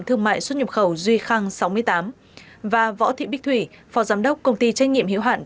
thương mại xuất nhập khẩu duy khang sáu mươi tám và võ thị bích thủy phó giám đốc công ty trách nhiệm hiệu hạn